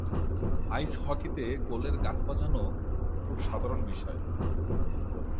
আইস হকিতে গোলের গান বাজানো খুব সাধারণ বিষয়।